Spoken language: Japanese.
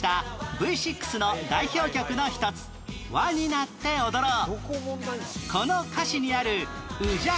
Ｖ６の代表曲の１つ『ＷＡになっておどろう』。